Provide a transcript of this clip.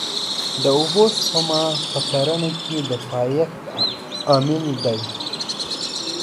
د اوبو سپما په کرنه کې د پایښت عامل دی.